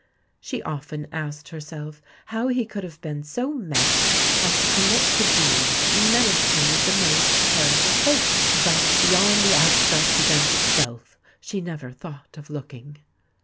She often asked herself how he could have been so mad as to commit the deed that menaced him with the most terrible fate; but beyond the abstract event itself she never thought of looking.